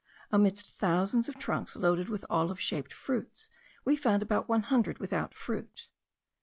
Amidst thousands of trunks loaded with olive shaped fruits we found about one hundred without fruit.